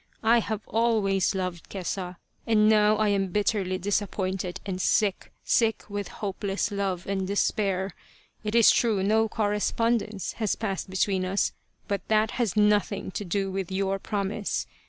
I have always loved Kesa, and now I am bitterly disappointed and sick sick with hopeless love and despair. It is true no correspondence has passed between us, but that has nothing to do with your promise.